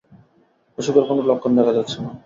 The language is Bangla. অসুখের কোনো লক্ষণ দেখা যাচ্ছে না।